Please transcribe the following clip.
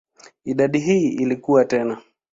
Idadi hii ilikua tena.